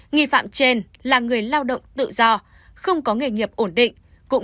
nghi phạm trên là người lao động tự do không có nghề nghiệp ổn định